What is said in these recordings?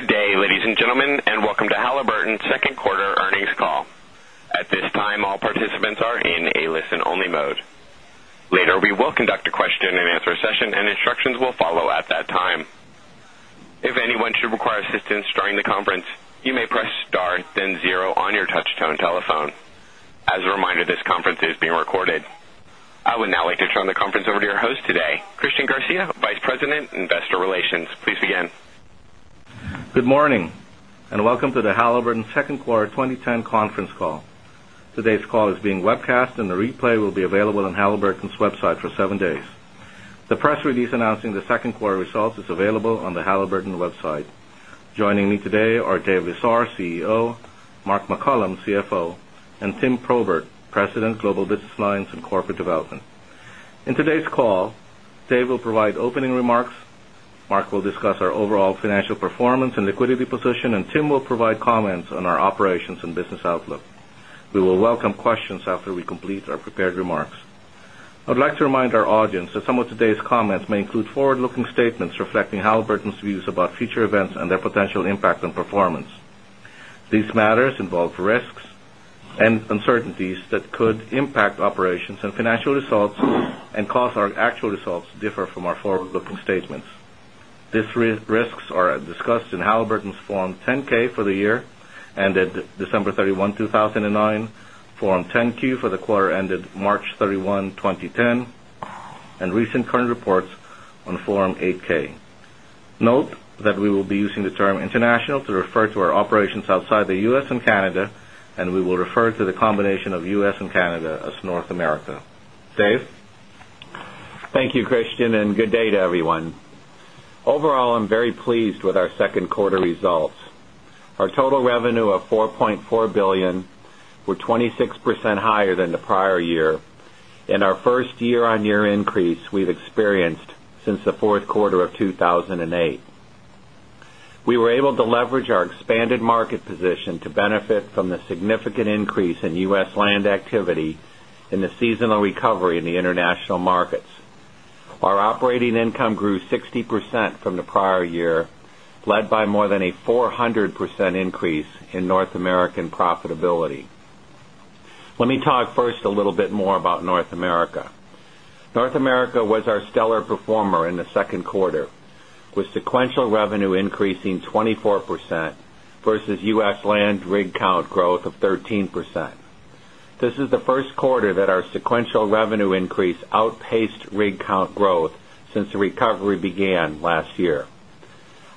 Good day, ladies and gentlemen, and welcome to Halliburton Second Quarter Earnings Call. At this time, all participants are in a listen only mode. Later, we will conduct a question and answer session and instructions will follow at that time. As a reminder, this conference is being recorded. I would now like to turn the conference over to your host today, Christian Garcia, Vice President, Investor Relations. Please begin. Good morning, and welcome to the Halliburton's Q2 2010 conference call. Today's call is being webcast, and the replay will be available on Halliburton's website for 7 days. The press release announcing the 2nd quarter results is available on the Halliburton website. Joining me today are Dave Issar, CEO Mark McCollum, CFO and Tim Probert, President, Global Business Lines and Corporate Development. In today's call, Dave will provide opening remarks, Mark will discuss our overall financial performance and liquidity position and Tim will provide comments on our operations and business outlook. We will welcome questions after we complete our prepared remarks. I'd like to remind our audience that some of today's comments may include forward looking statements reflecting Halliburton's views about future events and their potential impact on performance. These matters involve risks and uncertainties that could impact operations financial results and cause our actual results to differ from our forward looking statements. These risks are discussed in Halliburton's Form 10 ks for the year ended December 31, 2009, Form 10 Q for the quarter ended March 31, 2010 and recent current reports on Form 8 ks. Note that we will U. Year benefit from the significant increase in U. S. Land activity and the seasonal recovery in the international markets. Our operating income grew 60% from the prior year, led by more than a 400% increase in North American profitability. Let me talk first a little bit more about North America. North America was our stellar performer in the Q2 with sequential revenue increasing 24% versus U. S. Land rig count growth of 13%. This is the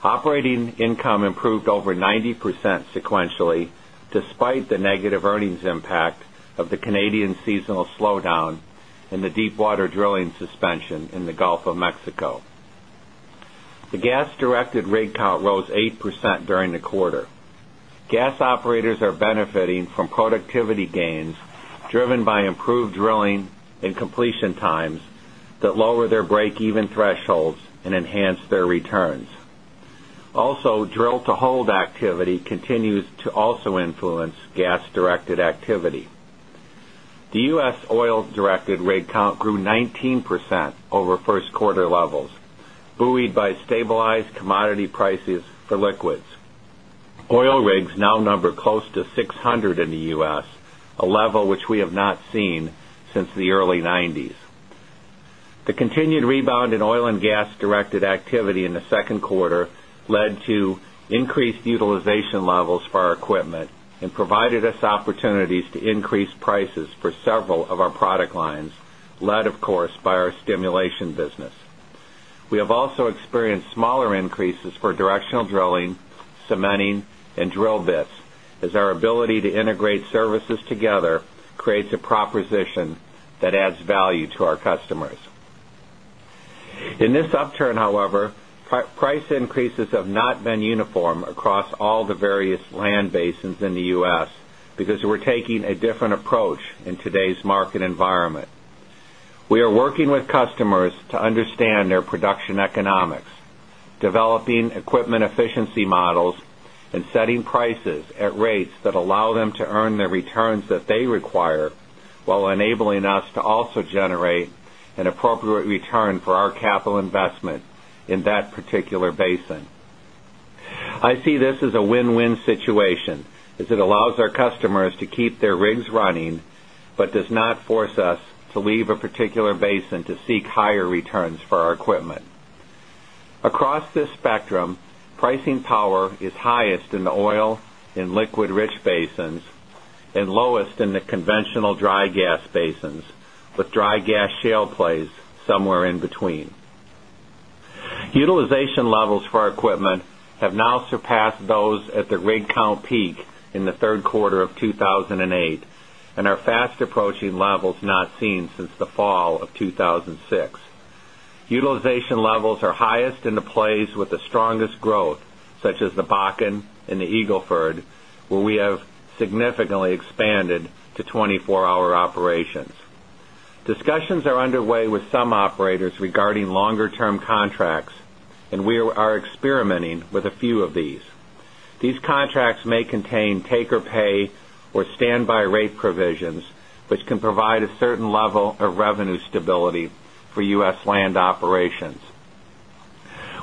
Operating income improved over 90% sequentially despite the negative earnings impact of the Canadian seasonal slowdown in the deepwater drilling suspension in the Gulf of Mexico. The gas directed rig count rose 8% during the quarter. Gas operators are benefiting from productivity gains driven by improved drilling and completion times that lower their breakeven thresholds and enhance their returns. Also, drill to hold activity continues to also influence buoyed by stabilized commodity prices for liquids. Oil rigs now number close to 600 in the U. S, a level which we have not seen since the early 90s. The continued rebound in oil and gas directed activity in the Q2 led to increased utilization levels for our equipment and provided us opportunities to to adds value to our customers. In this upturn, however, price increases have not been uniform across all the various basins in the U. S. Because we're taking a different approach in today's market environment. We are working with customers to understand their production economics, developing equipment efficiency models and setting prices at rates that allow them to earn the returns that they require while enabling us to also generate an appropriate return for our capital investment in that that force us to leave a particular basin to seek higher returns for our equipment. Across this spectrum, pricing power is highest in the oil and liquid rich basins and lowest in the conventional dry gas basins with dry gas shale plays somewhere in between. Utilization levels for our equipment have those at the rig count peak in the Q3 of 2008 and are fast approaching levels not seen since the fall of 2,000 and 6. Utilization levels are highest in the place with the strongest growth such as the Bakken and the Eagle Ford where we have significantly expanded to 24 hour operations. Discussions are underway with some operators regarding longer term contracts, and we are experimenting with a few of these. These contracts may contain take or pay or standby rate provisions, which can provide a certain level of revenue stability for U. S. Land operations.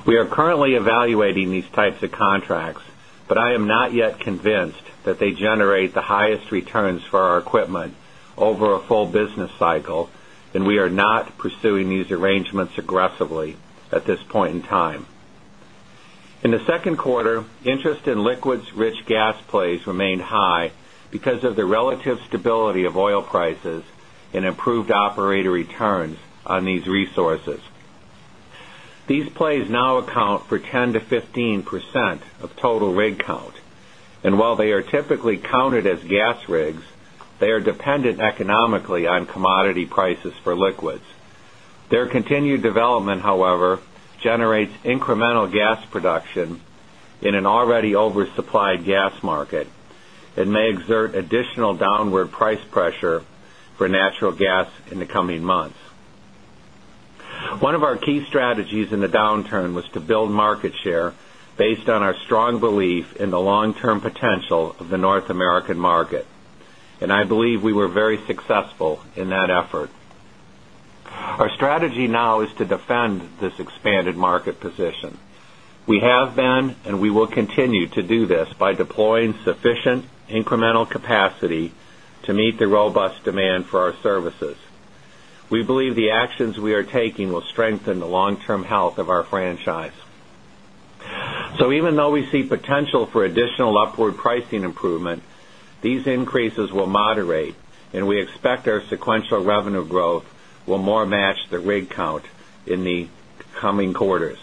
We are currently evaluating these types of contracts, but I am not yet convinced that they generate the highest returns for our equipment over a full business cycle and we are not pursuing these arrangements aggressively at this point in time. In the second quarter, interest in liquids rich gas plays plays remained high because of the relative stability of oil prices and improved operator returns on these resources. These plays now account for 10% to 15% of total rig count. And while they are typically counted as natural gas in the coming months. One of our key strategies in the downturn was to build market share based on our strong belief in the long term potential of the North American market. And I believe we were very successful in that effort. Our strategy now is to defend this expanded market position. We have been and we will continue to do this by deploying sufficient incremental capacity to meet the robust demand for our services. We believe the actions we are taking will strengthen the long term health of our will moderate and we expect our sequential revenue growth will more match the rig count in the coming quarters.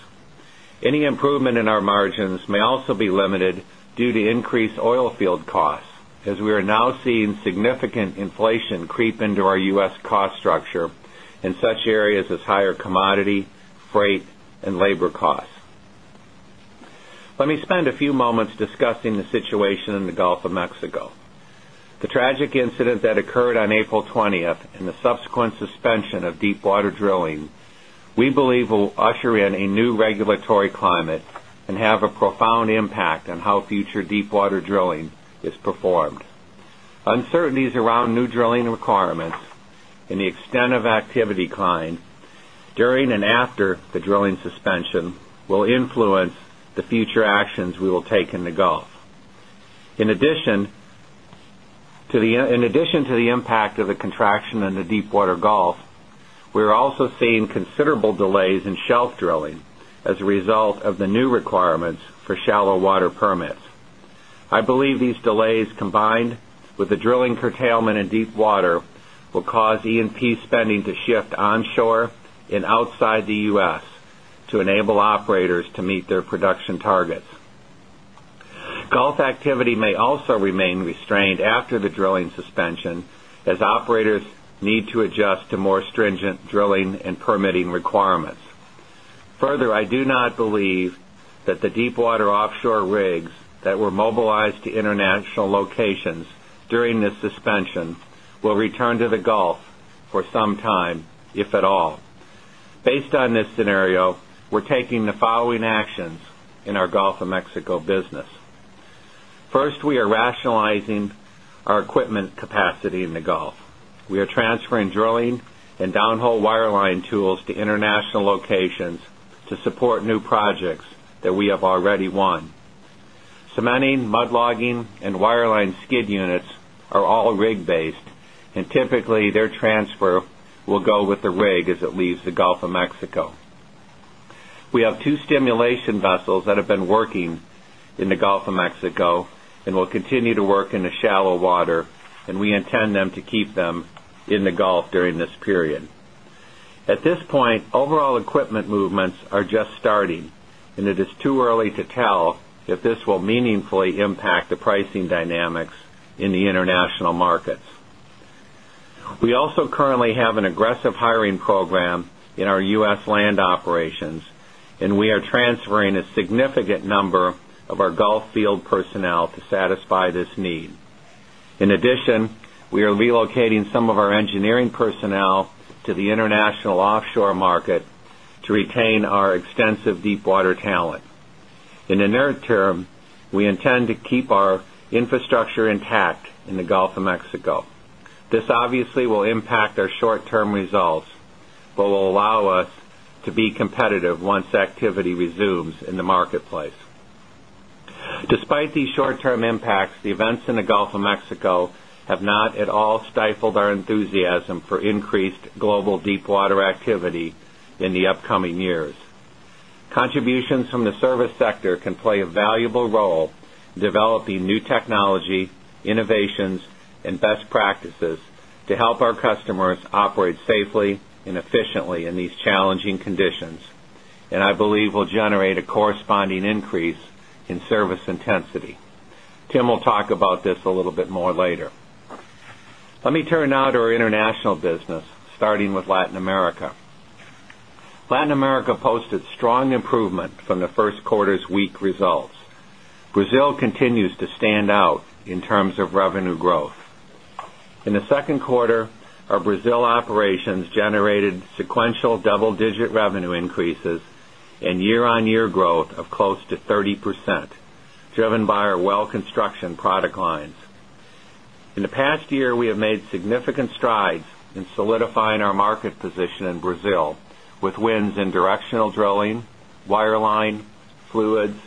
Any improvement in our margins also be limited due to increased oilfield costs as we are now seeing significant inflation creep into our U. S. Cost structure in such areas as higher commodity, freight and labor costs. Let me spend a few moments discussing the situation in the Gulf of Mexico. The around new drilling requirements and the extent of activity decline during and after the drilling suspension will influence the future requirements for shallow water permits. I believe these delays combined with the drilling curtailment in deepwater will cause E and P spending to shift on shore and outside the U. S. To enable operators to meet their production targets. Gulf activity may also remain restrained after the drilling suspension as operators need to adjust to more stringent drilling and permitting requirements. Further, I do not believe that the deepwater offshore rigs that were mobilized to to all. 1st, we are rationalizing our equipment capacity in the Gulf. We are transferring drilling and downhole wireline tools to 2 and we intend them to keep them in the Gulf during this period. At this point, overall equipment movements are just starting and it is too early to tell if this will meaningfully impact the pricing dynamics in the international markets. We also currently have an aggressive hiring program in our U. S. Land operations and we are transferring a significant number of our Gulf field personnel to intact in the Gulf of Mexico. This obviously will impact our short term results, but will allow us to Mexico have not at all stifled our enthusiasm for increased global deepwater activity in the upcoming years. Help our customers operate safely and efficiently in these challenging conditions. And I believe we'll generate a corresponding increase in service with stand out in terms of revenue growth. In the second quarter, our Brazil operations generated sequential double digit revenue increases significant strides in solidifying our market position in Brazil with wins in directional drilling, wireline, fluids, to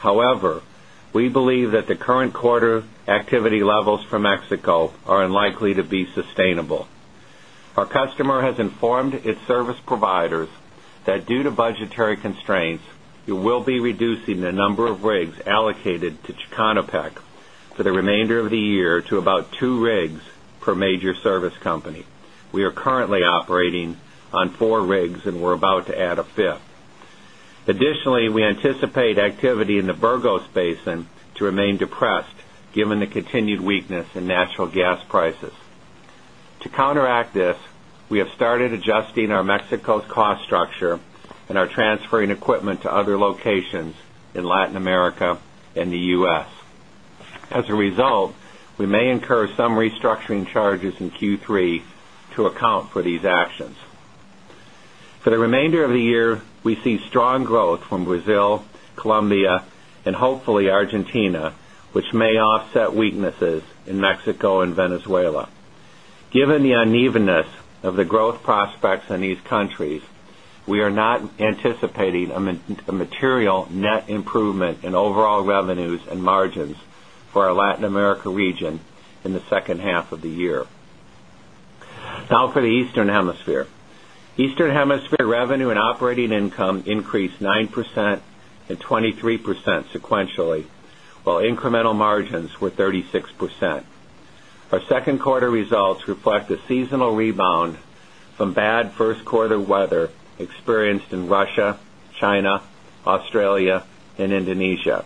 However, we believe that the current quarter activity levels for Mexico are unlikely to be sustainable. Our customer has informed its service providers that due to budgetary constraints, we will be reducing the number of rigs allocated to Chicanopec for the remainder of the year to about 2 rigs per major service company. We are currently operating on 4 rigs and we're about to add a 5th. Additionally, we anticipate activity in the Virgo's basin to remain depressed given the continued weakness in natural gas prices. To counteract this, we have started adjusting our Mexico's cost structure and are transferring equipment to other locations in Latin America and the U. S. As a result, we may incur some restructuring charges in Q3 to account for these actions. For the remainder of the year, we see Argentina, which may offset weaknesses in Mexico and Venezuela. Given the unevenness of the growth prospects in these countries, we are not anticipating a material net improvement in overall revenues and margins for our Latin America region in the second half of the year. Now for the Eastern Hemisphere. Eastern Hemisphere revenue and operating income increased 9% and 23% sequentially, while incremental margins were 36%. Our 2nd quarter results reflect a seasonal rebound from bad first quarter weather experienced in Russia, China, Australia and Indonesia.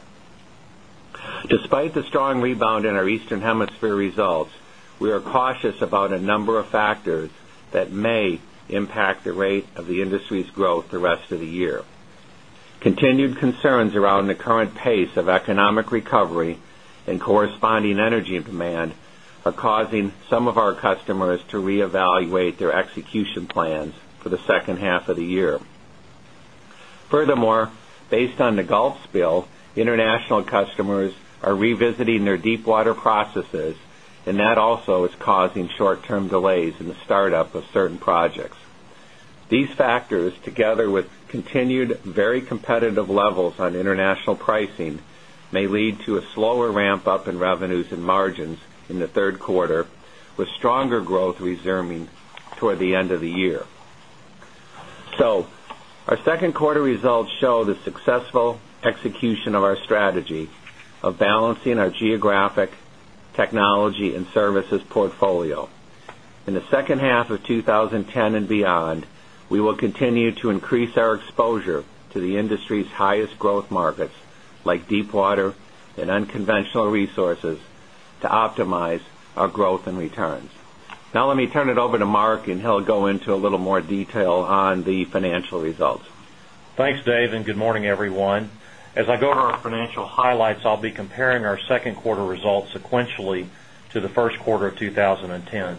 Despite the strong rebound in our Eastern Hemisphere results, we are cautious about a number of factors that may impact the rate of the industry's growth the rest of the year. Continued concerns around the current pace of economic recovery and corresponding energy demand are causing some of our customers to reevaluate their execution plans for the second half of the year. Furthermore, based on the Gulf spill, international customers are revisiting their deepwater processes and that also is causing short term delays in the startup of certain projects. These factors together with continued very competitive levels on international pricing may lead to a slower ramp up in revenues and margins in the 3rd quarter with stronger growth reserving toward the of beyond, we will continue to increase our exposure to the industry's highest growth markets like deepwater and unconventional resources to Dave, and good morning, everyone. As I go to our financial highlights, I'll be comparing our Q2 results sequentially to the Q1 of 20 10.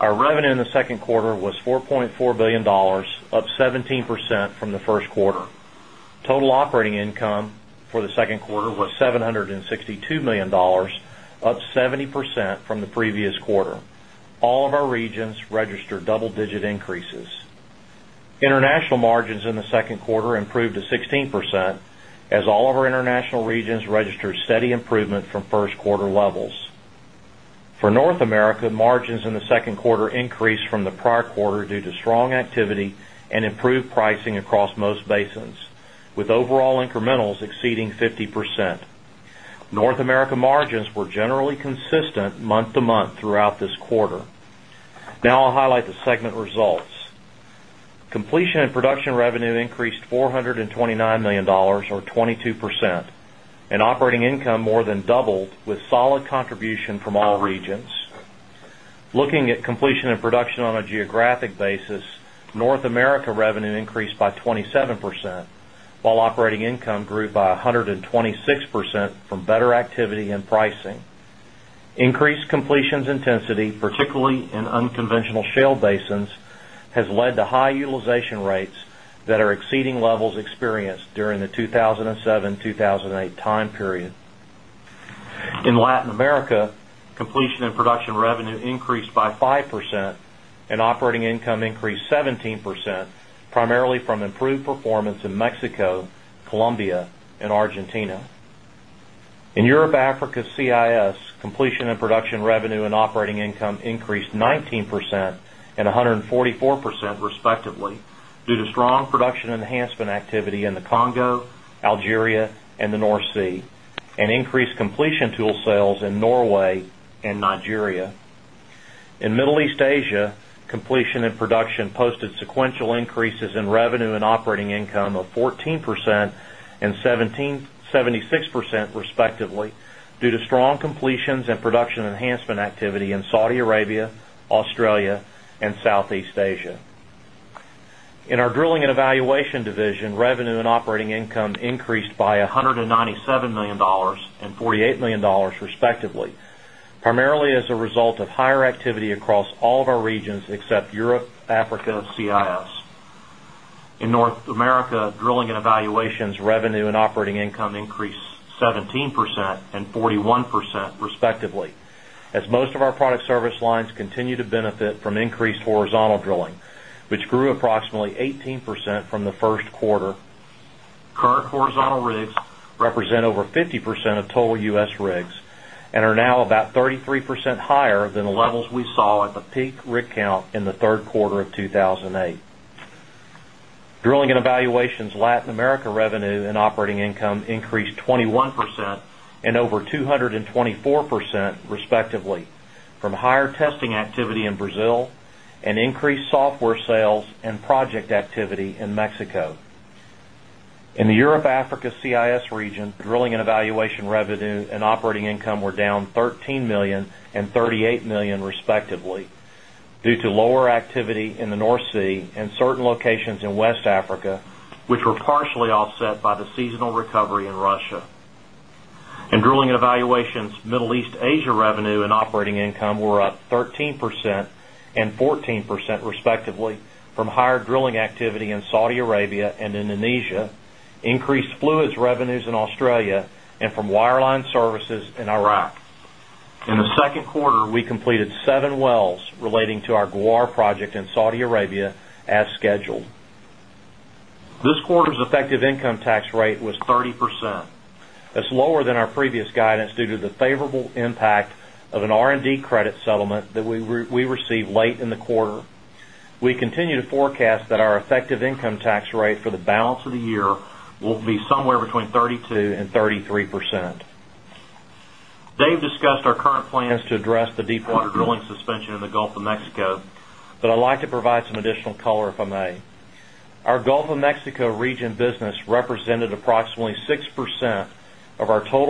Our revenue in the 2nd quarter was $4,400,000,000 up 17% from the 1st quarter. Total operating income for the 2nd International margins in the 2nd quarter improved to 16% as all of our international regions registered steady improvement from levels. For North America, margins in the 2nd quarter increased from the prior quarter due to strong activity and improved pricing across most basins, with overall incrementals exceeding 50%. North America margins were generally consistent month to month throughout this quarter. Now I'll highlight the segment results. Completion and production revenue increased $429,000,000 or 20 2 percent and operating income more than doubled with solid contribution from all regions. Looking at completion and production on and production on a geographic basis, North America revenue increased by 27%, while operating income grew by 126% from better led to high utilization rates that are exceeding levels experienced during the 2,007, 2008 time period. In Latin America, completion and production revenue increased by 5% and operating income increased 17%, primarily from improved performance in Mexico, Colombia and Argentina. In Europe Africa CIS, completion and production revenue and operating income increased 19% and 144%, respectively, due to strong production enhancement activity in the Congo, Algeria and the North Sea and increased completion tool sales in Norway and Nigeria. In Middle East Asia, and production posted sequential increases in revenue and operating income of 14% and 76 percent respectively due to strong completions and production enhancement activity in Saudi Arabia, Australia and Southeast Asia. In our Drilling and Evaluation division, revenue and operating income increased by $197,000,000 48,000,000 respectively, primarily as a result of higher activity across all of our regions except Europe, Africa, CIS. In North America, drilling and evaluations revenue and operating income increased 17% and 41% respectively, as most of our product service lines continue to benefit from increased horizontal drilling, which grew approximately 18% from the 1st quarter. Represent over 50% of total U. S. Rigs and are now about 33% higher than the levels we saw at the peak rig count in the Q3 of 2,008. Drilling and Evaluation's Latin America revenue and operating income increased 20 1% and over 2 24%, respectively, from higher testing activity in Brazil and increased software sales and project activity in Mexico. In the Europe Africa CIS region, drilling and evaluation revenue and operating income were down $13,000,000 $38,000,000 respectively, due to lower activity in the North Sea and certain locations in West Africa, which were partially offset by the seasonal recovery in Russia. In Drilling and Evaluations, Middle East, Asia revenue and operating income were up 13% and 14% respectively from higher drilling activity in Saudi Arabia and Indonesia, increased fluids revenues in Australia and from wireline services in Iraq. In the second quarter, we completed 7 wells relating to our Ghawar project in Saudi Arabia as scheduled. This quarter's effective income tax rate was 30%. That's lower than our previous guidance due to the favorable impact of an R and D credit settlement that we received late in the quarter. We continue to forecast that our effective income tax rate for the balance of the year will be somewhere between 32% and 33%. Dave discussed our current plans to address the deepwater drilling suspension in the Gulf of Mexico, but I'd like to provide some additional color if I may. Our Gulf of Mexico region of Mexico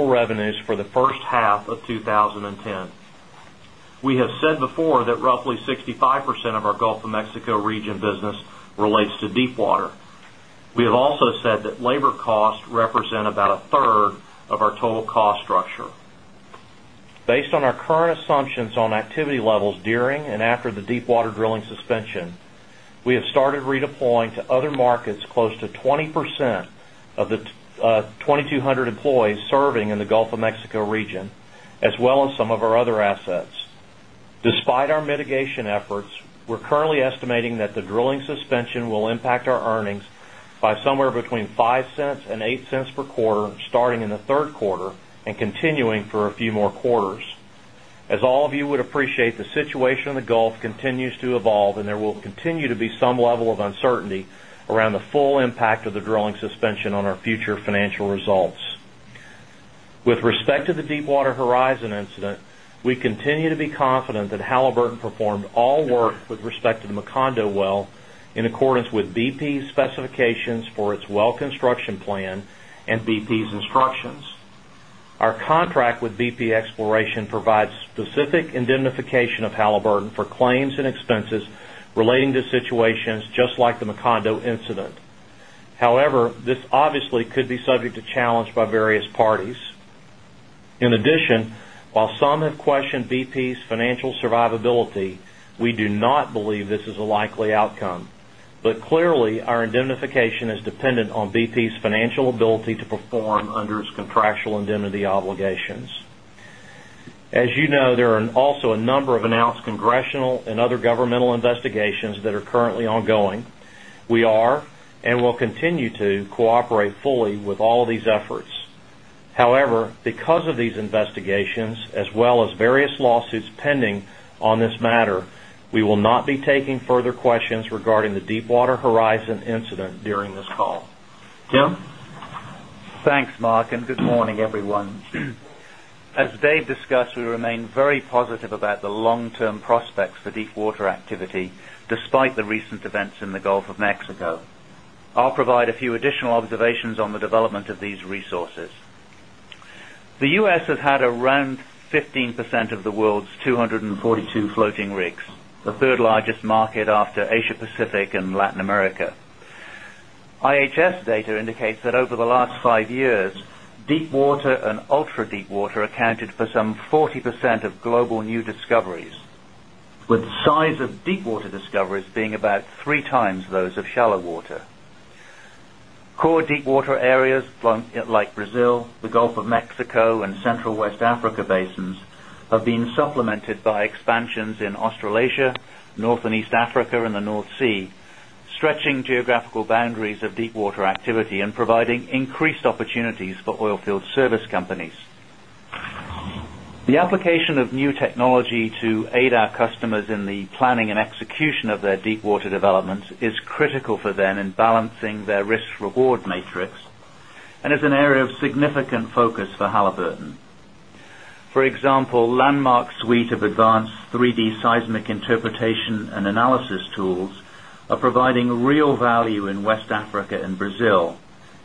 65% of our Gulf of Mexico region business relates to deepwater. We have also said that labor after the deepwater drilling suspension, we have started redeploying to other markets close to 20% of the 2,200 employees serving in the Gulf of Mexico region as well as some of our mitigation efforts, we're currently estimating that the drilling suspension will impact our earnings by somewhere between 0 point 0 $5 and 0 point 0 dollars per quarter starting in the Q3 and continuing for a few more quarters. As all of you would appreciate, in the Gulf continues to evolve and there will continue to be some level of uncertainty around the full impact of the drilling suspension on our future financial results. With respect to the Deepwater Horizon incident, we continue to be confident that Halliburton performed all work with respect to the Macondo well in accordance with BP's specifications for its well construction plan and BP's instructions. Our contract with BP Exploration provides specific indemnification of Halliburton for claims and expenses relating to situations just like the Macondo incident. However, this obviously could be subject to challenge by various parties. In addition, while some have questioned BP's financial survivability, we do not believe this is a likely outcome. But clearly, our indemnification is dependent on BP's financial ability to perform under its contractual indemnity obligations. As you know, there are also a number of announced congressional and other governmental investigations that are currently ongoing. We are and will continue to cooperate not be taking further questions regarding the Deepwater Horizon incident during this call. Tim? Thanks, Mark, and good morning, despite the recent events in the Gulf of Mexico. I'll provide a few additional observations on the development of these resources. The U. S. Has had around 15% of the world's 242 floating rigs, the 3rd largest market after Asia Pacific and and percent of global new discoveries, with the size of deepwater discoveries being about 3 times those of shallow water. Core water. Have providing increased opportunities for oilfield service companies. The application of new technology to aid our customers in the planning and execution of their deepwater developments is critical for them in balancing their risk reward seismic interpretation and analysis tools are providing real value in West Africa and Brazil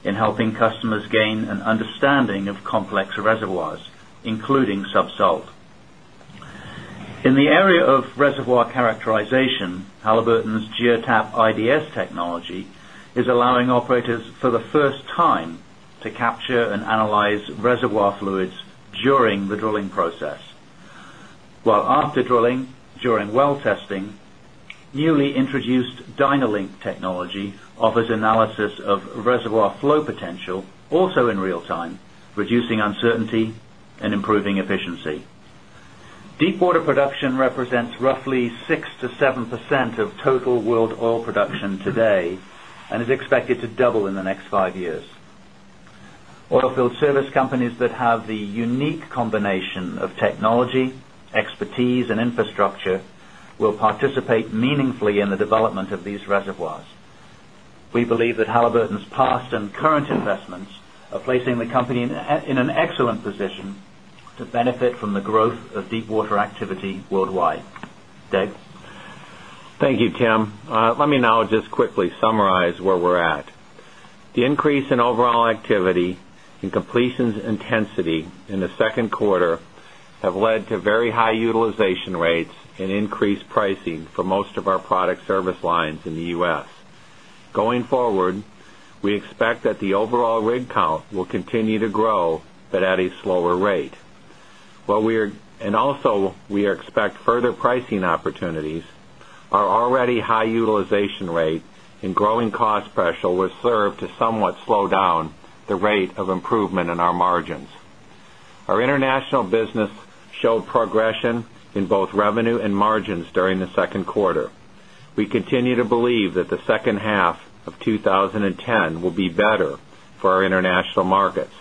in helping customers gain an understanding of complex reservoirs, including sub salt. In the area of reservoir characterization, Halliburton's Geotap IDS technology is allowing operators for the first time to capture and analyze reservoir fluids during the drilling process. While after drilling, during well testing, newly introduced Dynalink technology Deepwater production represents roughly 6% to 7% of total world oil production today and is expected to double in the next 5 years. Oilfield service companies that have the unique combination of technology, expertise and infrastructure will participate meaningfully in the development of these reservoirs. We believe that Halliburton's past and current investments are placing the company in an excellent position to benefit from the growth of deepwater activity worldwide. Doug? Thank you, Tim. Let me now just quickly summarize where we're at. The increase in overall activity and completions intensity in the second quarter have led to very high utilization will continue to grow but at a slower rate. While we are and also we expect further pricing opportunities, our already high utilization rate and growing cost pressure will serve to somewhat slow down the rate of improvement in our margins. Our will be better for our international markets.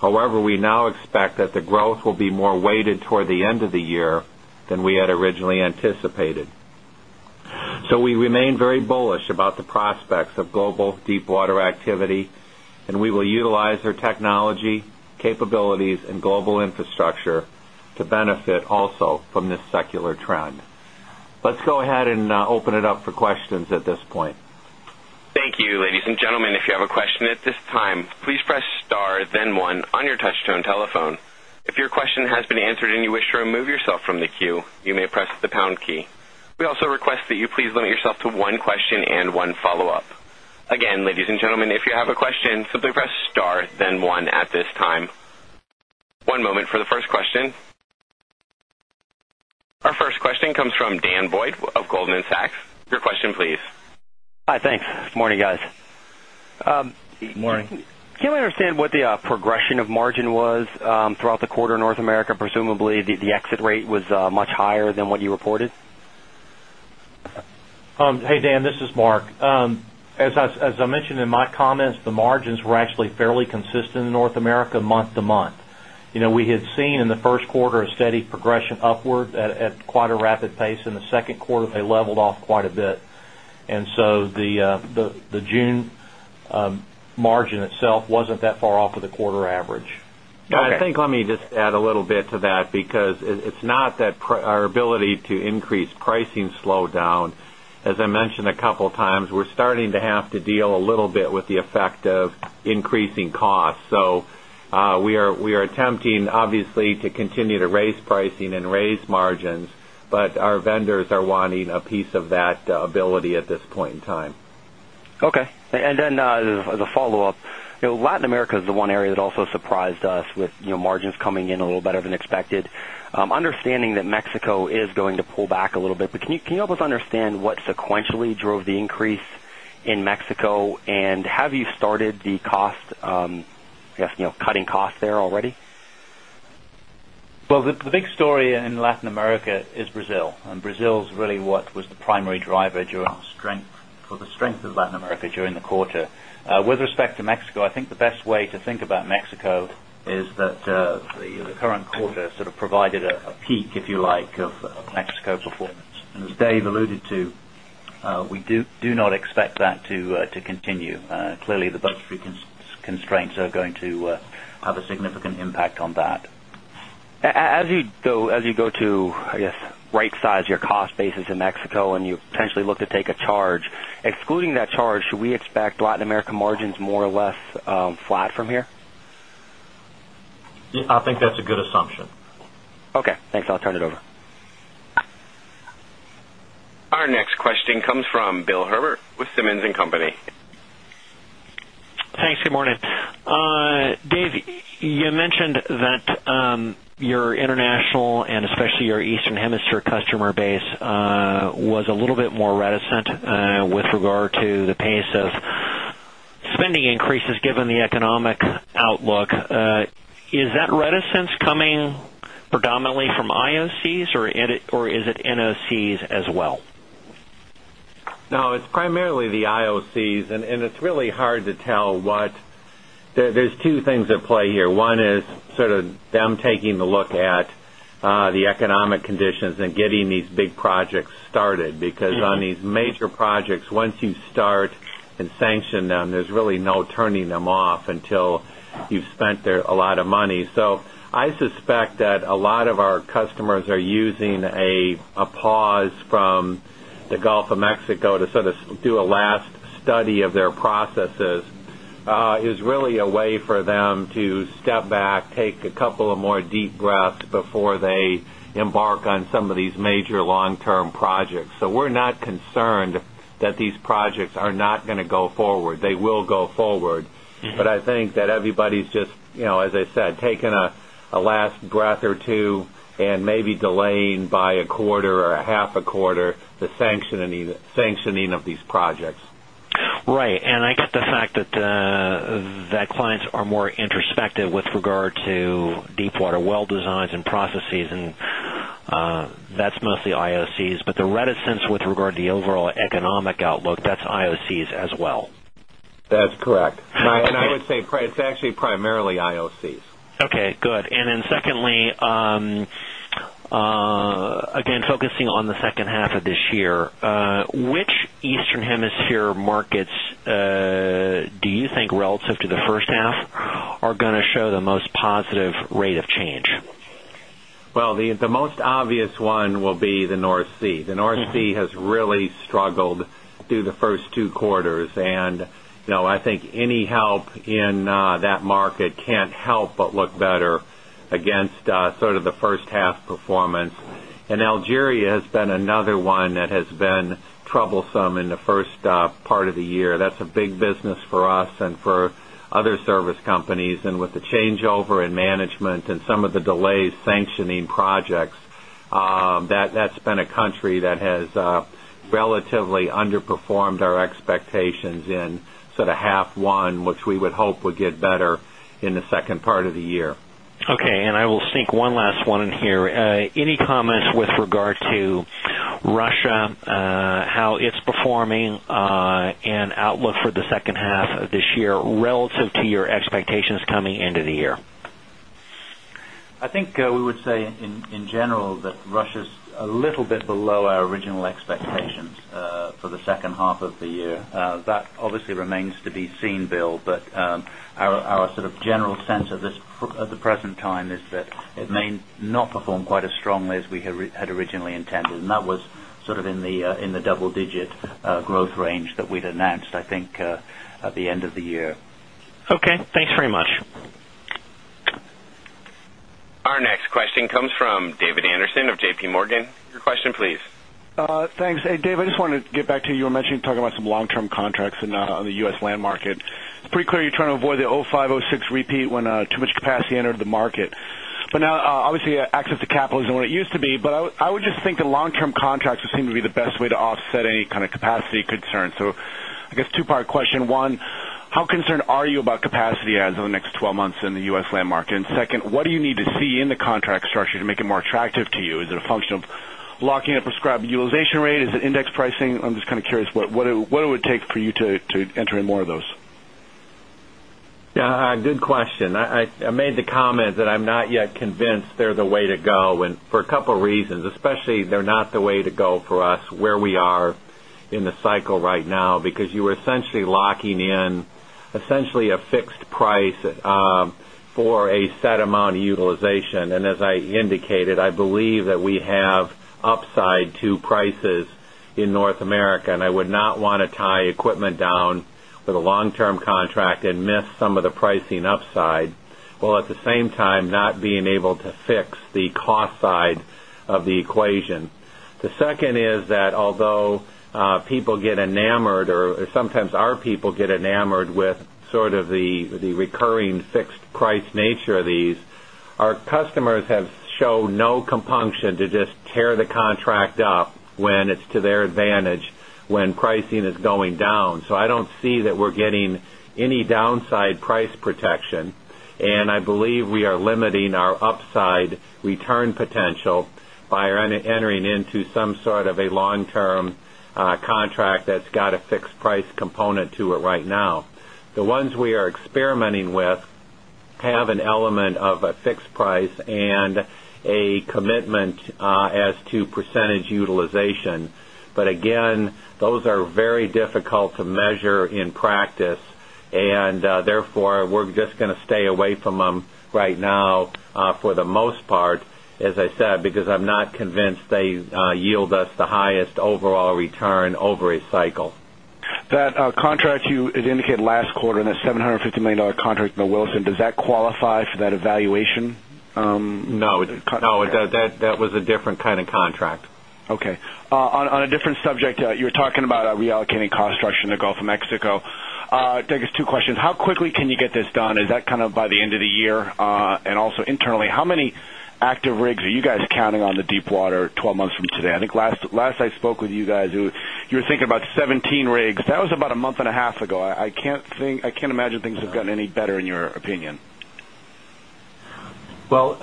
However, we now expect that the growth will be more weighted toward the end the utilize our technology capabilities and global infrastructure to benefit also from this secular trend. Let's go ahead and open it up for questions at this point. Thank Our first question comes from Dan Boyd of Goldman Sachs. Your question please. Can we understand what the progression of margin was throughout the quarter in North America, Presumably the exit rate was much higher than what you reported? Dan, this is Mark. As I mentioned in my comments, the margins were actually fairly consistent in North America month to month. We had seen in the Q1 a steady progression upward at quite a a mentioned a couple of times, we're starting to have to deal a little bit with the As I mentioned a couple of times, we're starting to have to deal a little bit with the effect of increasing costs. So we are attempting obviously to continue to raise pricing and raise margins, but our vendors are wanting a piece of that ability at this point in time. Okay. And then as a follow-up, Latin America is the one area that also surprised us with margins coming in a little better than expected. Understanding that Mexico is going to pull back a little bit, but can you help us understand what sequentially drove the increase in Mexico And have you started the cost, I guess, cutting costs there already? Well, the big story in Latin America is Brazil. And Brazil is really what was the primary driver for the strength of Latin America during the quarter. With respect to Mexico, I think the best way to think about Mexico is that the current quarter sort of provided a peak, if you like, of Mexico performance. And as Dave alluded to, we do not expect that to continue. Clearly, the budgetary constraints are going to have a significant impact on that. As you go to, I guess, right size your cost basis in Mexico and you potentially look to take a charge, excluding that charge, should we expect Latin America margins more or less flat from here? I think that's a good assumption. Okay, thanks. I'll turn it over. Our next question comes from Bill Herbert with Simmons and Company. Thanks. Good morning. Dave, you mentioned that your international and especially your Eastern Eastern Hemisphere customer base was a little bit more reticent with regard to the pace of spending increases given the economic outlook. Is that reticence coming predominantly from IOCs or is it NOCs well? No, it's primarily the IOCs and it's really hard to tell what there's 2 things at play here. One is sort of them taking a look at the economic conditions and getting these big projects started because on these major projects, once you start and sanction them, there's really no turning them off until you've spent a lot of money. So I suspect that a lot of our customers are using a pause from the Gulf of Mexico to sort of do a last study of their processes is really a way for them to step back, take a couple of more deep breaths before they embark on some of these major long term projects. So we're not concerned that these projects are not going to go forward. They will go forward. But I think that everybody is just, as I said, taking a last breath or 2 and maybe delaying by a quarter or a half a quarter the sanctioning of these projects. Right. And I get the fact that clients are more introspective with regard to deepwater well designs and processes and that's mostly IOCs. But the economic outlook, that's IOCs as well? That's correct. And I would say it's actually primarily IOCs. Okay, good. And then secondly, again focusing on the second half of this year, which Eastern Hemisphere markets do you think relative to the first half are going to show the most positive rate of change? Well, the most obvious one will be the North Sea. The North Sea has really struggled through the 1st two quarters and I think any help in that market can't help but look better against sort of the first half performance. And Algeria has been another one that has been troublesome in the 1st part of the year. That's a big business for us and for other service companies. And with the changeover in management and some of the delays sanctioning projects, that's been a country that has relatively underperformed our expectations in sort of half one, which we would hope would get better in the second part of the year. And I will sneak one last one in here. Any comments with regard to Russia, how it's performing and outlook for the second half of this year relative to your expectations coming into the year? I think we would say in general that Russia is a little bit below our original expectations for the second half of the year. That obviously remains to be seen, Bill. But our sort of general sense of this at the present time is that it may not perform quite as strongly as we had originally intended. And that was sort of in the double digit growth range that we'd announced, I think, at the end of the year. Okay. Thanks very much. Our next question comes from David Anderson of JPMorgan. Your question please. Dave, I just wanted to get back to you, you mentioned talking about some long term contracts on the U. S. Land market. It's pretty clear you're trying to avoid the 'five, 'six repeat when too much capacity entered the market. But now obviously access to capital isn't what it used to be, but I would just think the long term contracts would seem to be the best way to offset any kind of capacity concern. So I guess 2 part question. 1, how concerned are you about capacity as of the next 12 months in the U. S. Land market? And what do you need to see in the contract structure to make it more attractive to you? Is it a function of locking a prescribed utilization rate? Is it index pricing? I'm just kind of what it would take for you to enter in more of those? Yes, good question. I made the comment that I'm not yet convinced they're the way to go and for a couple of reasons, especially they're not the way to go for us where we are in the cycle right now because you essentially locking in essentially a fixed price for a set amount of utilization. And as I indicated, I believe that we have upside to prices in North America and I would not want to tie equipment down with a long term contract and miss some of the pricing upside, while at the same time not being able to fix the cost side of the equation. The second is that although people get enamored or sometimes our people get enamored enamored with sort of the recurring fixed price nature of these, our customers have shown no compunction to just tear the contract up when it's to their advantage when pricing is going down. So I don't see that we're getting any downside price protection. And I believe we are limiting our upside. We term contract that's got a fixed price component to it right now. The ones we are experimenting with have an element of a fixed price and a commitment as to percentage utilization. But again, those are very difficult to measure practice and therefore we're just going to stay away from them right now for the most part as I said because I'm not convinced they yield us the highest overall return over a cycle. That contract you indicated last quarter and the 750,000,000 dollars contract with the Wilson, does that qualify for that evaluation? No, it does. That was a different kind of contract. Okay. On a different subject, you're talking about reallocating cost structure in the Gulf of Mexico. I guess, two questions. How quickly can you get this done? Is that by the end of the year? And also internally, how many active rigs are you guys counting on the deepwater 12 months from today? I think last I spoke with you guys, you were thinking about 17 rigs. That was about a month and a half ago. I can't imagine things have gotten any better in your opinion. Well,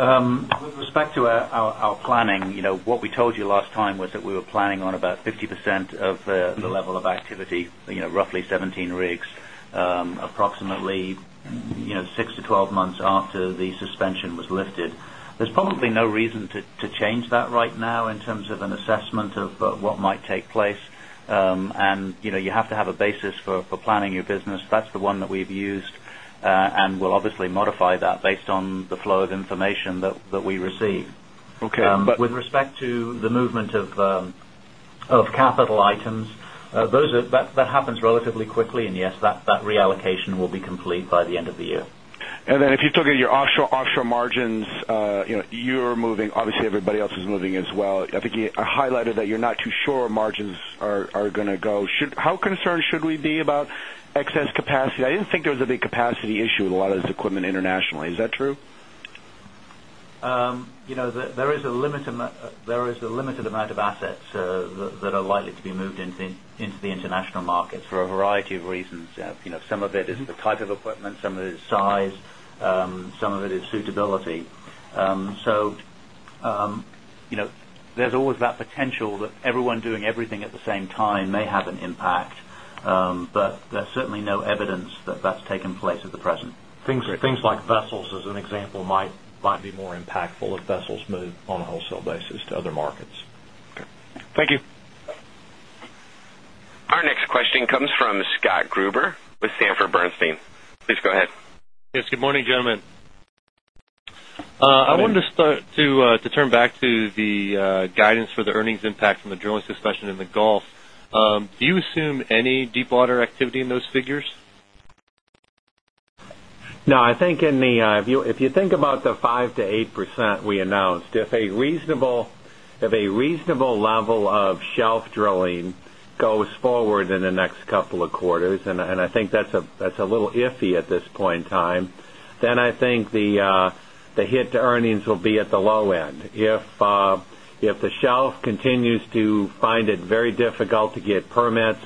with respect to our planning, what we told you last time was that we were planning on about 50% of the level of activity, roughly 17 rigs, approximately 6 to 12 months after the suspension was lifted. There's probably no reason to change that right now in terms of an assessment of what might take place. And you have to have a basis for planning your business. That's the one that we've used. And we'll obviously modify that based on the flow of information that we receive. Okay. With respect to the movement of you're you're moving, obviously everybody else is moving as well. I think you highlighted that you're not too sure margins are going to go. How concerned should we be about excess capacity? I didn't think there was a big capacity issue with a lot of this equipment internationally. Is that true? There is a limited amount of assets that are likely to be moved into the international markets for a variety of reasons. Some of it is the type of equipment, some of it is size, some of it is suitability. So there's always that potential that everyone doing everything at the same time may have an impact. But there's certainly no evidence that that's taken place at the present. Things like vessels, as an example, might be more impactful if vessels move on a wholesale basis to other markets. Okay. Thank you. Our next question I wanted to start to turn back to the guidance for the earnings impact from the drilling suspension in the Gulf. Do you assume any deepwater activity in those figures? No, I think in the if you think about the 5% to 8% we announced, if a reasonable level of drilling goes forward in the next couple of quarters and I think that's a little iffy at this point in time, then I think the hit to earnings will be at the low end. If the shelf continues to find it very difficult to get permits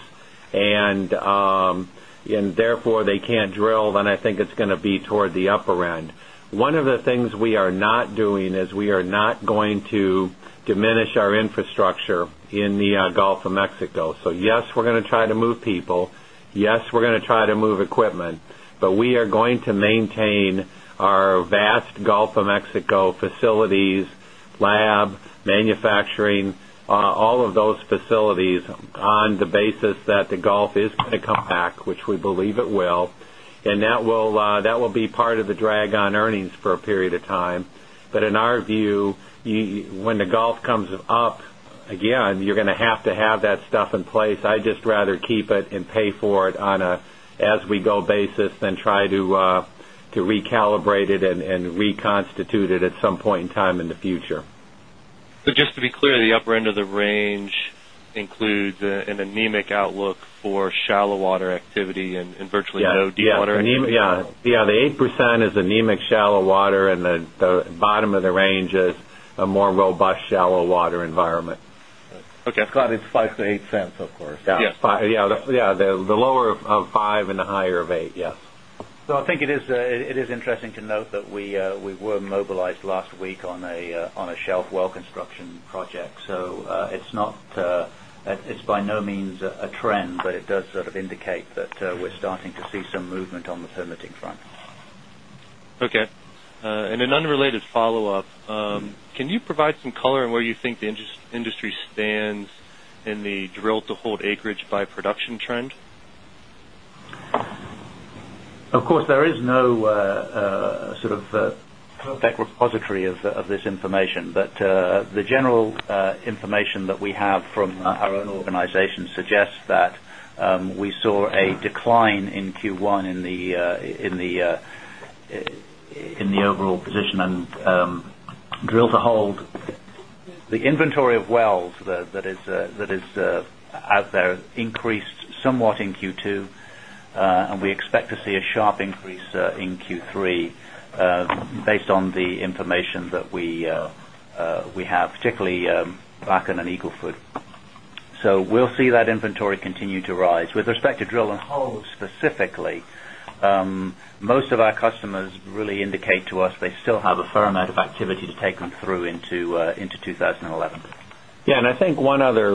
and therefore they can't drill, then I think it's going to be toward the upper end. One of the things we are not doing is we are not going to diminish our infrastructure in the Gulf of Mexico. So yes, we're going to try to move people. Yes, we're going to try to move equipment, but we are going to maintain our vast Gulf of Mexico facilities, lab, manufacturing, all of those facilities on the basis that the Gulf is going to come back, which we believe it will. And that will be part of the drag on earnings for a period of time. But in our view, when the Gulf comes up, again, you're going to have to have that stuff in place. I'd just rather keep it and pay for it on a as we go basis than try to recalibrate it and reconstitute it at some point in time in the future. So just to be clear, the upper end of the range includes an anemic outlook for shallow water activity and virtually no deepwater activity? Yes. The 8% is anemic shallow water and the bottom of the range is a more robust shallow water environment. Okay. Scott, it's $0.05 to $0.08 of course. Yes, the lower of $0.05 and the higher of $0.08 Yes. So I it is interesting to note that we were mobilized last week on a shelf well construction project. So it's not it's by no means a trend, but it does sort of indicate that we're starting to see some movement on the permitting front. Okay. And an unrelated follow-up, can you provide some color on where you think the industry stands in the drill to hold acreage by production trend? Of course, there is no sort of repository of this information, but the general information that we have from our own organization suggests that we saw a decline in Q1 in the overall position. And drill to hold, the inventory of wells that is out there increased somewhat in Q2, and we expect to see a sharp increase in Q3 based on the information that we have particularly and Eagle Ford. So we'll see that inventory continue to rise. With respect to drill and holes specifically, most of our customers really indicate to us they still have a fair amount of activity to take them through into 2011. Yes. And I think one other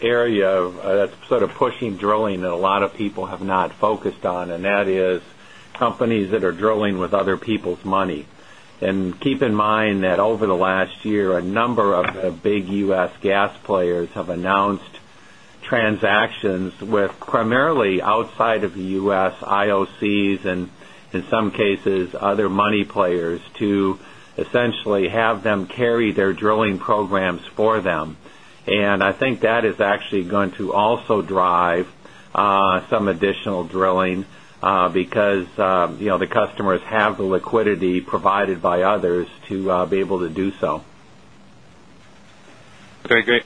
area that's sort of pushing drilling that a lot of people have not focused on and that is S. S. Gas players have announced transactions with primarily outside of the U. S. IOCs and in cases other money players to essentially have them carry their drilling programs for them. And I think that is actually going to also drive some additional drilling because the customers have the liquidity provided by others to be able to do so. Okay, great.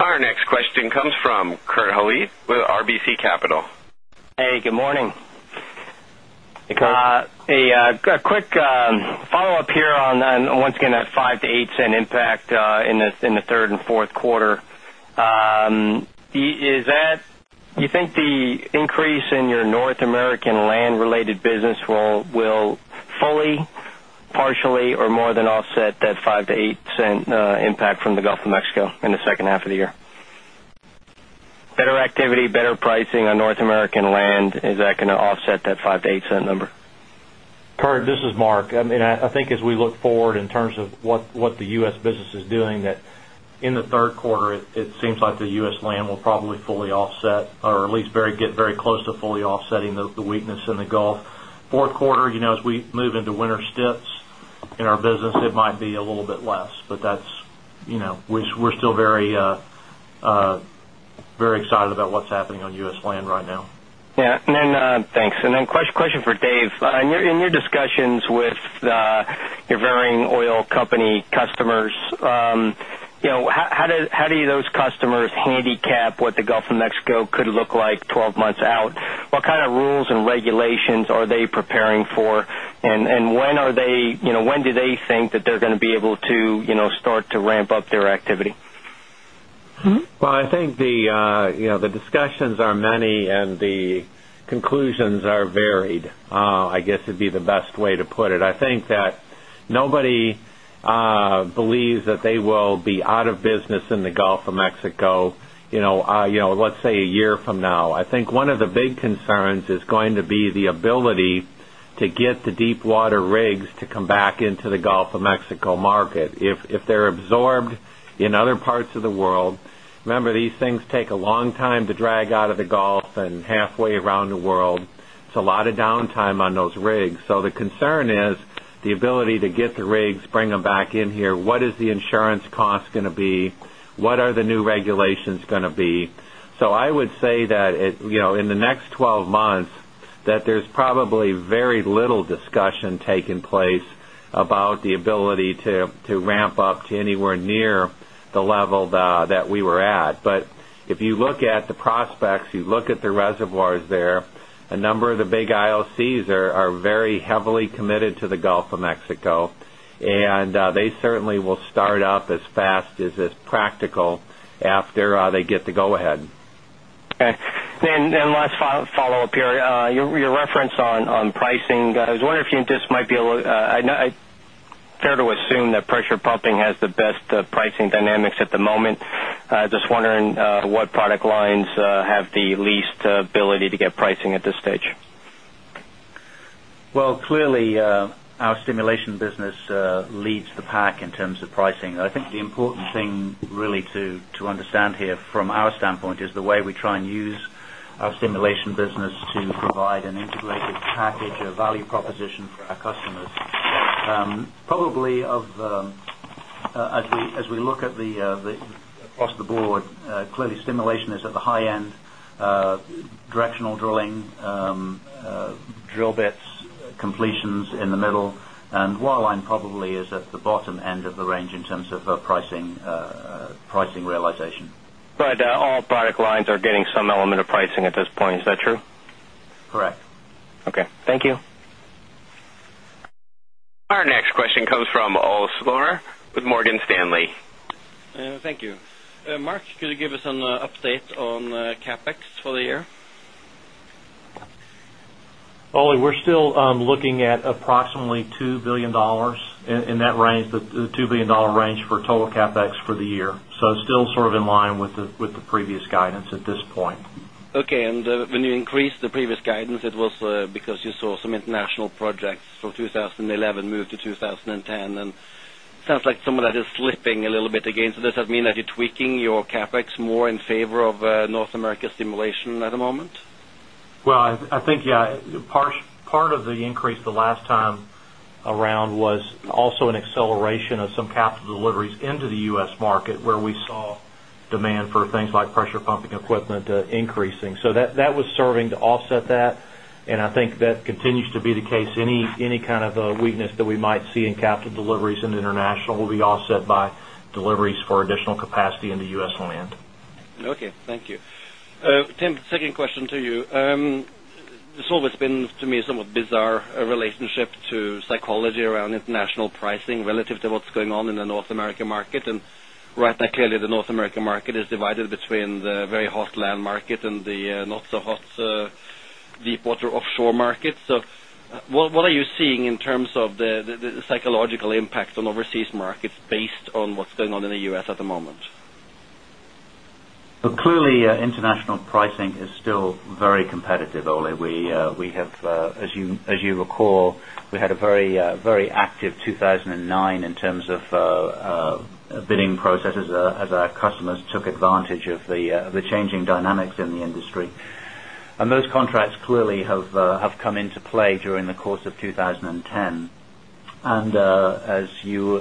Our next question comes from Kurt Hallead with RBC Capital. Hey, good morning. Hey, Kurt. A quick follow-up here on once again that $0.05 to $0.08 impact in the 3rd Q4. Is that you think the increase in your North American land related business will fully, partially or more than offset that $0.05 to $0.08 impact from the Gulf of Mexico in the second half of the year? Better activity, better pricing on North American land, is that going to offset that $0.05 to $0.08 number? Kurt, this is Mark. I mean, I think as we look forward in terms of what the U. S. Business is doing that in the Q3, it seems like the U. S. Land will probably fully offset or at least get very close to fully offsetting the weakness in the Gulf. Q4, as we move into winter weakness in the Gulf. 4th quarter, as we move into winter steps in our business, it might be a little bit less, but that's we're still very excited about what's happening on U. S. Land right now. Yes. And then thanks. And then question for Dave. In your discussions with your varying oil company customers, how do those customers handicap what the Gulf of Mexico could look like 12 months out? What kind of rules and regulations are they preparing for? And when are they when do they think that they're going to be able to start to ramp up their activity? Well, I think the discussions are many and the conclusions are varied. I guess it'd be the best way to put it. I think that nobody believes that they will be out of business in the Gulf of Mexico, let's say, a year from now. I think one of the big concerns concerns is going to be the ability to get the deepwater rigs to come back into the Gulf of Mexico market. If they're absorbed in other parts of the world, remember these things take a long time to drag out of the Gulf and halfway around the world. It's a lot of downtime on those rigs. So the concern is the ability to get the rigs, bring them back in here. What is the in the next 12 months that there in the next 12 months that there's probably very little discussion taking place about the ability to ramp up to anywhere near the level that we were at. But if you look at the prospects, you look at the reservoirs there, a number of the big IOCs are very heavily committed to the Gulf of Mexico. They certainly will start up as fast as is practical after they get the go ahead. Okay. And then last follow-up here. Your reference on pricing, I was wondering if you just might be a little fair to assume that pressure pumping has the best pricing dynamics at the moment. Just wondering what product lines have the least ability to get pricing at this stage? Well, clearly, our stimulation business leads the pack in terms of pricing. I think the important thing really to understand here from our standpoint is the way we try and use our simulation business to provide an integrated package of value proposition for our customers. Probably as we look at the across the board, clearly stimulation is at the high end, directional drilling, drill bits, completions in the middle and wireline probably is at the bottom end of the range in terms of pricing realization. But all product lines are getting some element of pricing at this point. Is that true? Correct. Okay. Thank you. Our next question comes from Ulf Sluor with Morgan Stanley. Thank you. Mark, could you give us an update on CapEx for the year? Oli, we're still looking at approximately $2,000,000,000 in that range, the $2,000,000,000 range for total CapEx for the year. So it's still sort of in line with the previous guidance at this point. Okay. And when you increased the previous guidance, it was because you saw some international projects from 2011 moved to 2010. And it sounds like some of that is slipping a little bit again. So does that mean that you're tweaking your CapEx more in favor of North America simulation at the moment? Well, I think part of the increase the last time around was also an acceleration of some capital deliveries into the US market where we saw demand for things like pressure pumping equipment increasing. So that was serving to offset that and I think that continues to be the case. Any kind of weakness that we might see in capital deliveries in international will be offset by deliveries for additional capacity in the U. S. Land. Okay, thank you. Tim, second American market. And right now, clearly, the North American market is divided North American market. And right now, clearly, the North American market is divided between the very hot land market and the not so hot deepwater offshore market. So what are you seeing in terms of the psychological impact on overseas markets based on what's going on in the U. S. At the moment? Clearly, international pricing is still very competitive, Ole. We have as you recall, we had a very active 2,009 in terms of bidding processes as our customers took advantage of the changing dynamics in the industry. And those contracts clearly have come into play during the course of 2010. And as you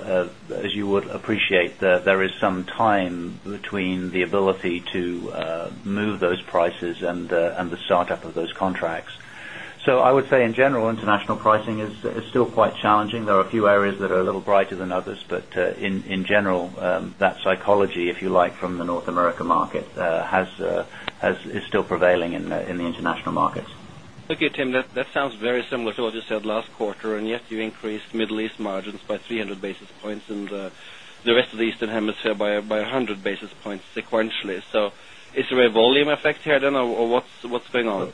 would appreciate, there is some time between the ability to move those prices and the start up of those contracts. So I would say, in general, international pricing is still quite challenging. There are a few areas that are little brighter than others. But in general, that psychology, if you like, from the North America market is still prevailing in the international markets. Okay, Tim, that sounds very similar to what you said last quarter and yet you increased Middle East margins by 300 basis points and the rest of the Eastern Hemisphere by 100 basis points sequentially. So is there a volume effect here then or what's going on?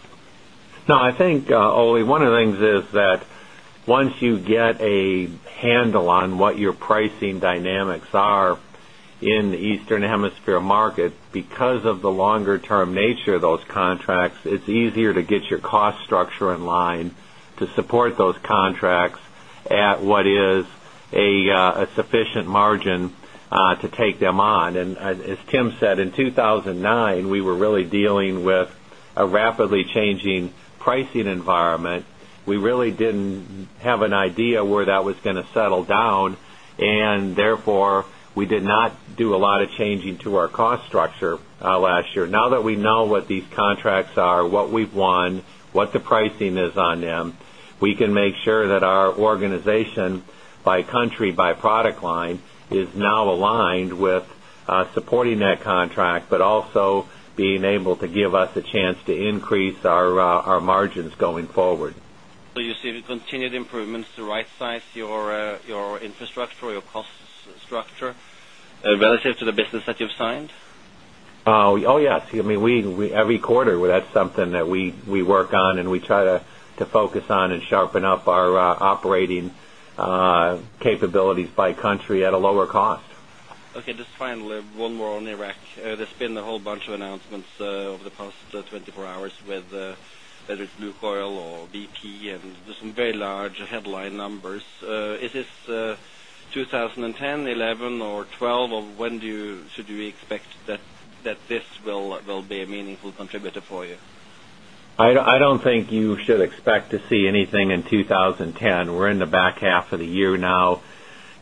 No, I think, Oli, one of the things is that once you get a handle on what your pricing dynamics are in the Eastern Hemisphere market because of the longer term nature of those contracts, it's easier to get your cost structure in line to support those contracts at what is a sufficient margin to take them on. And as Tim said, in 2,009, we were really dealing with a rapidly changing pricing environment. Not do a lot of changing to our cost structure last year. Now that we know what these contracts are, what we've won, what the pricing is on them, we can sure that our organization by country, by product line is now aligned with supporting that contract, but also being able to give us a chance to increase our margins going forward. So you see the continued improvements to right size your infrastructure, your cost structure relative to the business that you've signed? Yes. I mean we every quarter that's something that we work on and we try to focus on and sharpen up our operating capabilities by country at a lower cost. Okay. Just finally one more on Iraq. There's been a whole bunch of announcements over the past 24 hours with whether it's Blue Coil or BP and some very large headline numbers. Is this 2010, 2011 or 2012? Or when do you should we expect this will be a meaningful contributor for you? I don't think you should expect to see anything in 2010. We're in the back half of the year now.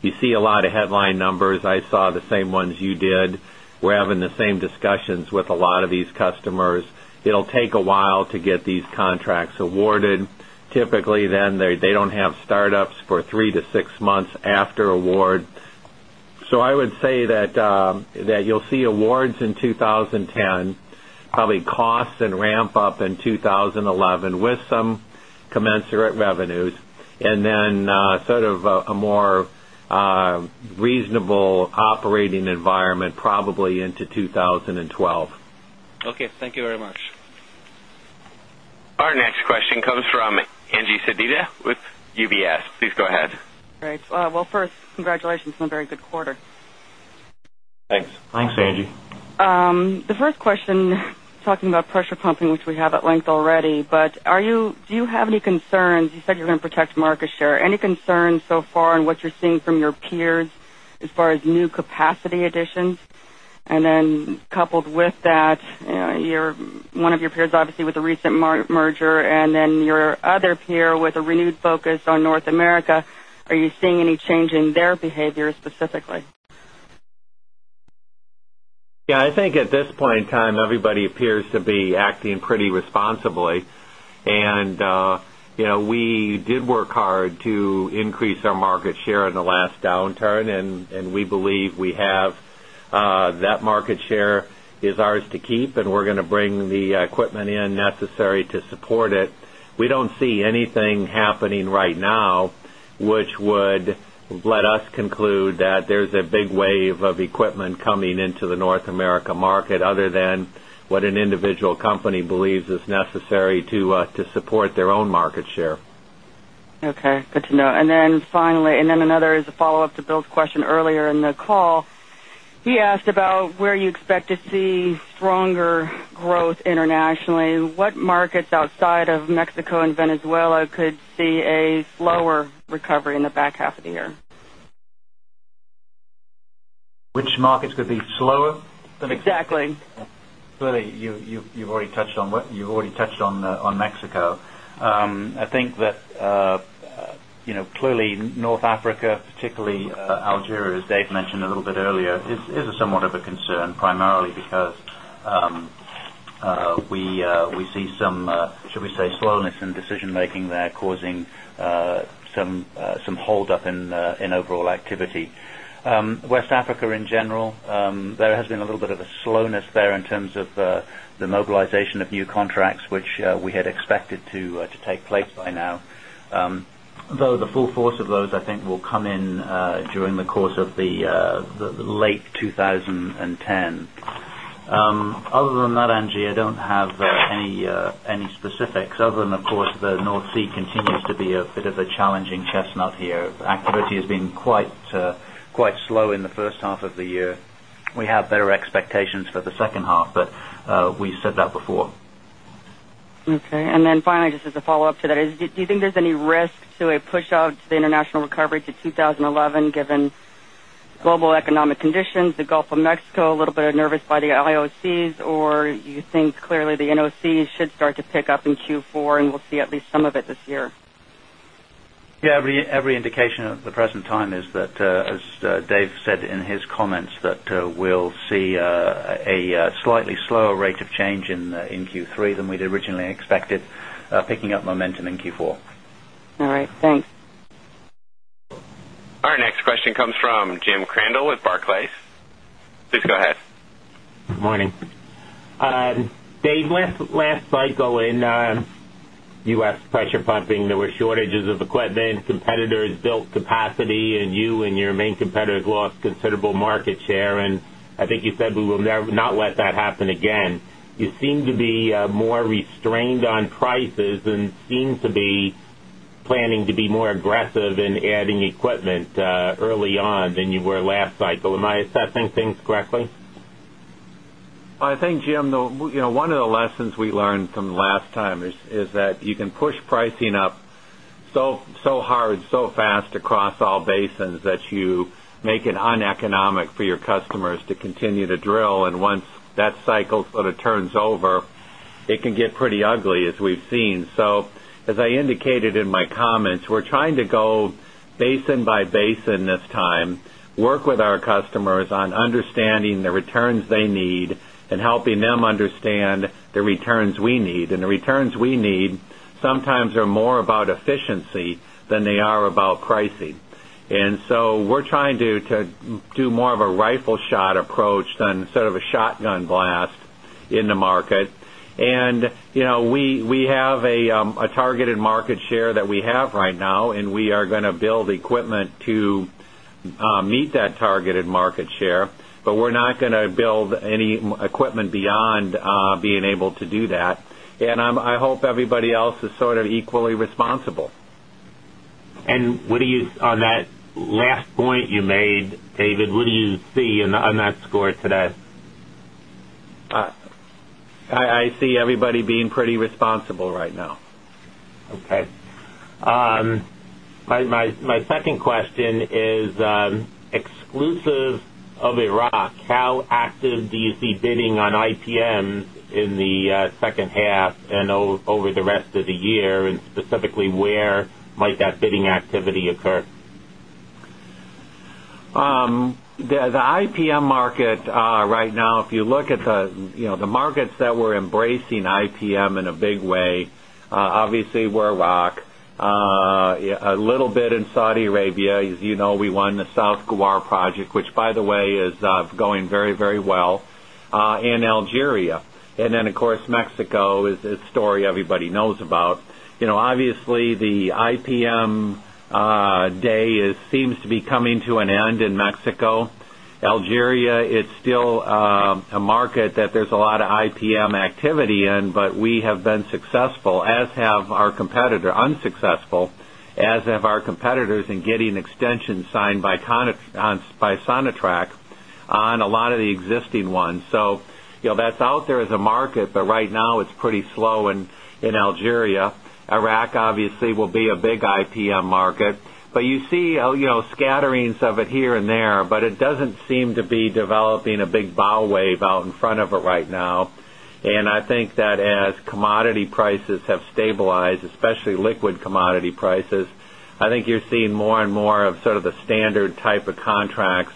You see a lot of headline numbers. I saw the same ones you did. We're having the same discussions with a lot of these customers. It'll take a while to get these contracts awarded. Typically then they don't have startups for 3 to 6 months after award. So I would say that you'll see awards in 20 11 with some commensurate revenues and then sort of a more reasonable operating environment probably into 2012. Okay. Thank you very much. Our next question Angie. The first question talking about pressure pumping, which we have at length already, but are you do you have any concerns you said you're going to protect market share. Any concerns so far on what you're seeing from your peers as far as new capacity additions? And then coupled with that, one of your peers obviously with the recent merger and then your other peer with a renewed focus on North America, are you seeing any change in their behavior specifically? Yes. I think at this point in time everybody appears to be acting pretty responsibly. And we did work hard to increase our market share in the last downturn and we believe we have that market share is ours to keep and we're going to bring the equipment in necessary to support it. We don't see anything happening right now, which would let us conclude that there's a big wave of equipment coming into the North America market other than what an individual company believes is necessary to support their own market share. Okay. Good to know. And then finally and then another is a follow-up to Bill's question earlier in the call. He asked about where you expect to see stronger growth internationally. What markets outside of Mexico and Venezuela could see a slower recovery in the back half of the year? Which markets could be slower? Exactly. Clearly, you've already touched on Mexico. I think that clearly, North Africa, particularly Algeria, as Dave mentioned a little bit earlier, is somewhat of a concern primarily because we see some, should we say, slowness in general, there has been a little bit of a slowness there in terms of the mobilization of new contracts, which we had expected to take place by now. Though the full force of those, I think, will come in during the course of the late 2010. Other than that, Angie, I don't have any specifics other than, of course, the North Sea continues to be a bit of a challenging chestnut here. Activity has been quite slow in the first half of the year. We have better expectations for the second half, but we said that before. Okay. And then finally, just as a follow-up to that is, do you think there's any risk to a push out to the international recovery to 2011 given global economic conditions, the Gulf of Mexico, a little bit nervous by the IOCs or you think clearly the NOCs should start to pick up in Q4 and we'll see at least some of it this year? Yes. Every indication at the present time is that, as Dave said in his comments, that we'll see a slightly slower rate of change in Q3 than we'd originally expected, picking up momentum in Q4. All right. Thanks. Our next question comes from Jim Crandall with Barclays. Please go ahead. Good morning. Dave, last cycle in U. S. Pressure pumping, there were shortages of equipment, competitors built capacity and you and your main competitors lost considerable market share. And I think you said we will never not let that happen again. You seem to be more restrained on price and seem to be planning to be more aggressive in adding equipment early on than you were last cycle. Am I assessing things correctly? I think, Jim, one of the lessons we learned from the last time is that you can push pricing up so hard, so fast across all basins that you make it un economic for your customers to continue to drill. And once that cycle sort of turns over, it can get pretty ugly as we've seen. So as I indicated in my comments, we're trying to go basin by basin, understanding the returns they need and helping them understand the returns we need. And the returns we need sometimes are more about efficiency than they are about market. And we have a targeted market share that we have right now and we are going to build equipment to meet that targeted market share, but we're not going to build any equipment beyond being able to do that. And I hope everybody else is sort of equally responsible. And what do you on that, on that score today? On that score today? I see everybody being pretty responsible right now. Okay. My second question is exclusive of Iraq, how active do you see bidding on IPM in the second half and over the rest of the year? And specifically, where might that bidding activity occur? The IPM market right now, if you look at the markets that we're embracing IPM in a big way, obviously, we're rock a little bit in Saudi Arabia. As you know, we won the South Ghawar project, which by the way is going very, very well, in Algeria. And then of course, Mexico. Algeria, it's still a market that there's a lot of IPM activity in, but we have been successful as have our competitor unsuccessful as have our competitors in getting extensions signed by Sonitrack on a lot of the existing ones. So that's out there as a market, but right now it's pretty slow in Algeria. Iraq obviously will be a big IPM market. But you see scatterings of it here and there, but it doesn't seem to be developing a big bow wave out in front of it right now. And I think that as commodity prices have stabilized, especially liquid commodity prices, I think you're seeing more and more of sort of the standard type of contracts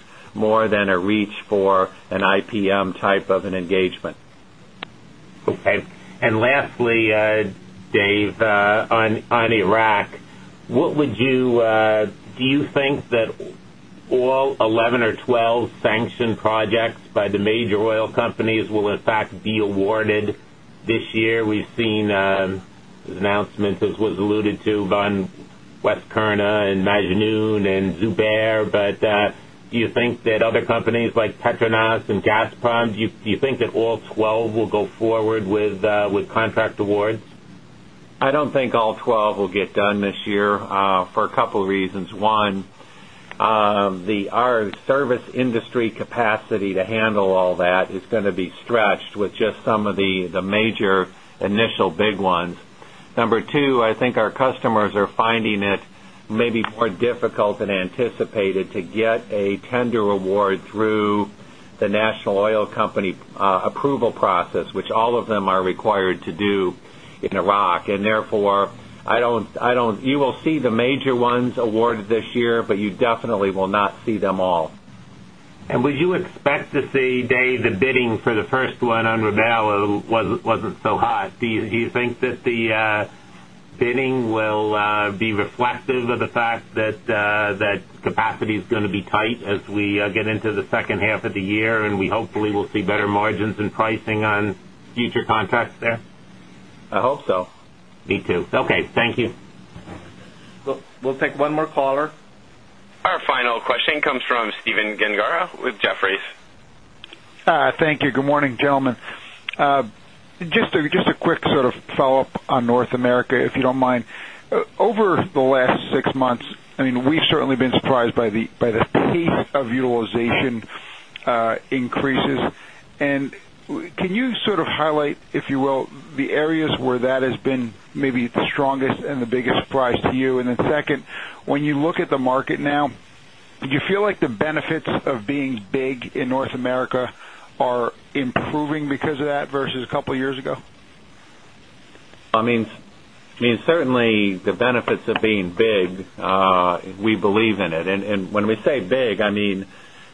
Dave, on Iraq, what would you do you think that all 11 or 12 sanctioned projects by the major oil companies will in fact be awarded this year? We've seen announcements as was alluded to by West Kurna and Majinun and Zubair. But do you think that other companies like Petronas and Gazprom, do you think that all 12 will go forward with contract awards? I don't think all 12 will get done with just some of the major initial big ones. Number 2, I think our customers are finding it maybe more difficult than anticipated to get a tender award through the National than anticipated to get a tender award through the National Oil Company approval process, which all of them are required to do in Iraq. And therefore, I don't you will see the major ones awarded this year, but you definitely will not see them all. And would you expect to see, the bidding for the first one on Revel wasn't so hot? Do you think that the bidding will be reflective of the fact that capacity is going to be tight as we get into the second half of the year and we hopefully will see better margins and pricing on future contracts there? I hope so. Me too. Okay. Thank you. We'll take one more caller. Our final question comes from Stephen Gengaro with Jefferies. Thank you. Good morning, gentlemen. Just a quick sort of follow-up on North America, if you don't mind. Over the last 6 months, I mean, we've certainly been surprised by the pace of utilization increases. And can you sort of highlight, if you will, the areas where that has been maybe the strongest and the biggest surprise to you? And then second, improving because of that versus a couple of years ago? I mean certainly the benefits of being big, we believe in it. And when we say big, I mean,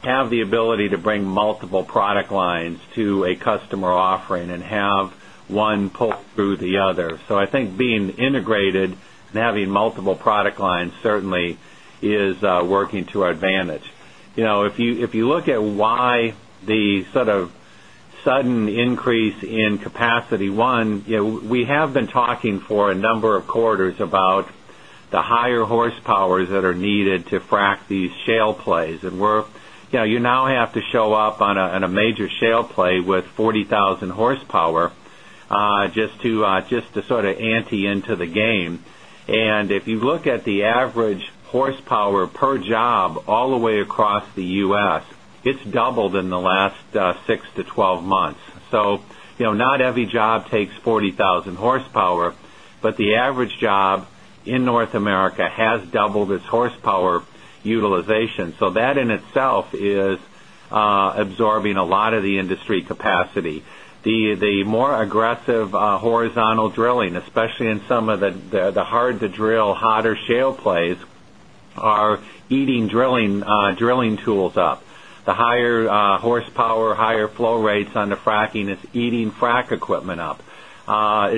have the ability to bring multiple product lines to a customer offering and have one pull through the other. So I think being integrated and having multiple product lines certainly is working to our advantage. If you look at why the sort of sudden increase in capacity, 1, we have been talking for a number of quarters about the higher horsepowers that are needed to frac these shale plays and we're you now have to show up on a major shale play with 40,000 horsepower just to sort of anti into the game. And if you look at the average horsepower per job all the way across the U. S, it's doubled in the last 6 to 12 months. So not every job takes 40,000 horsepower, but the average job in North America has doubled its horsepower utilization. So that in itself is absorbing a lot of the industry drilling tools up. The higher eating drilling tools up. The higher horsepower, higher flow rates on the fracking is eating frac equipment up,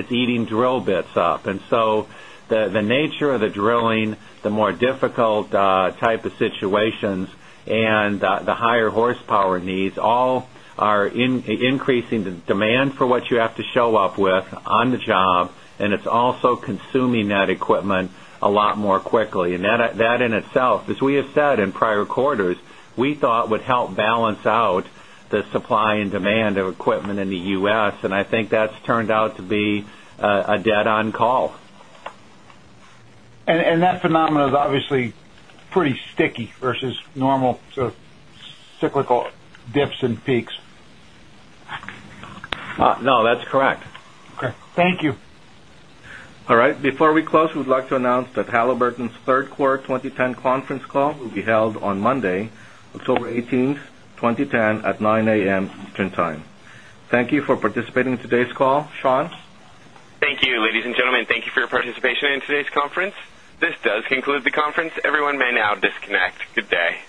eating drill bits up. And so the nature of the drilling, the more difficult type of situations and the higher horsepower needs all are increasing the demand for what you have to show up with on the job and it's also consuming that equipment a lot more quickly. And that in itself, as we have said in prior quarters, we thought would help balance out the supply and demand of equipment in the U. S. And I think that's turned out to be a dead on call. And that phenomenon is obviously pretty sticky versus normal sort of cyclical dips and peaks? No, that's correct. Okay. Thank you. All right. Before we close, we'd like to announce that Halliburton's 3rd quarter Sean? Thank you. Ladies and gentlemen, thank you for your participation in today's conference. This does conclude the conference. Everyone may now disconnect. Good day.